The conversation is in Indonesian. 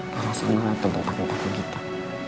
perasaan lo tuh buat pake takut gitu